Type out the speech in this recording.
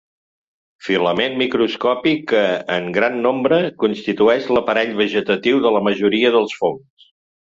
Filament microscòpic que, en gran nombre, constitueix l'aparell vegetatiu de la majoria dels fongs.